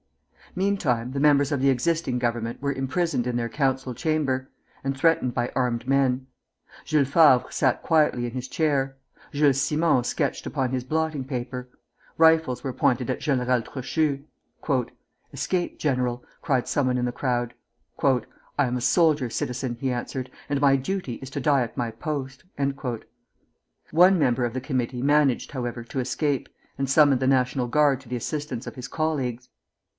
Meantime the members of the existing Government were imprisoned in their council chamber, and threatened by armed men. Jules Favre sat quietly in his chair; Jules Simon sketched upon his blotting paper; rifles were pointed at General Trochu. "Escape, General!" cried some one in the crowd. "I am a soldier, Citizen," he answered, "and my duty is to die at my post." One member of the Committee managed, however to escape, and summoned the National Guard to the assistance of his colleagues.